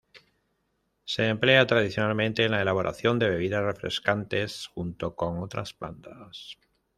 Se emplea tradicionalmente en la elaboración de bebidas refrescantes, junto con otras plantas.